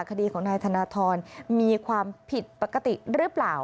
คดีของนายธนทรมีความผิดปกติหรือเปล่า